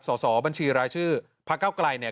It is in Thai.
สบรชพเก้าไกล่เนี่ย